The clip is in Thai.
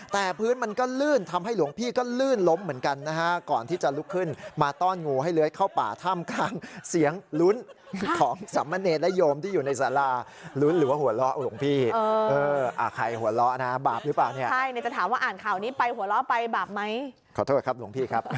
แต่พื้นมันก็ลื่นทำให้หลวงพี่ก็ลื่นล้มเหมือนกัน